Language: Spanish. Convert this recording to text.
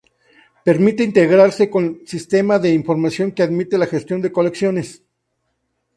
Permite integrarse con sistemas de información que admiten la gestión de colecciones.